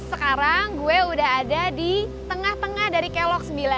sekarang gue udah ada di tengah tengah dari kelok sembilan